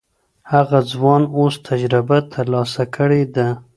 هغه ځوان اوس تجربه ترلاسه کړې ده.